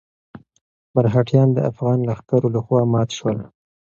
مرهټیان د افغان لښکرو لخوا مات شول.